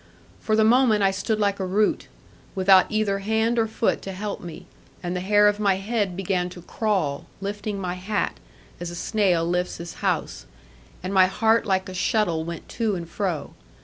For the moment I stood like a root, without either hand or foot to help me, and the hair of my head began to crawl, lifting my hat, as a snail lifts his house; and my heart like a shuttle went to and fro.